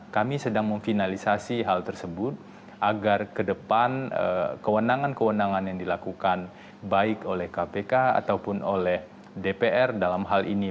kami sedang memfinalisasi hal tersebut agar ke depan kewenangan kewenangan yang dilakukan baik oleh kpk ataupun oleh dpr dalam hal ini